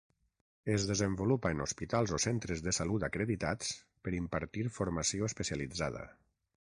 Es desenvolupa en hospitals o centres de salut acreditats per impartir formació especialitzada.